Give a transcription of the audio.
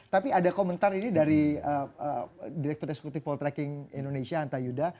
tapi ada komentar ini dari direktur eksekutif poltreking indonesia anta yuda